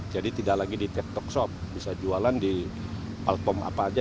jadi tidak lagi di tiktok shop bisa jualan di platform apa saja